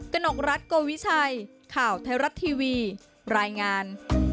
กนกรัฐโกวิชัยข่าวไทยรัฐทีวีรายงาน